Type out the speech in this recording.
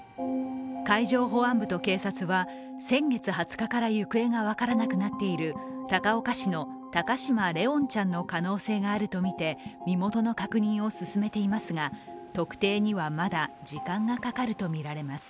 海上保安部と警察は先月２０日から行方が分からなくなっている高岡市の高嶋怜音ちゃんの可能性があるとみて身元の確認を進めていますが特定にはまだ時間がかかるとみられます。